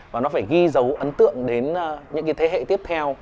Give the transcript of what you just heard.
và nó phải ghi dấu ấn tượng đến những thế hệ tiếp theo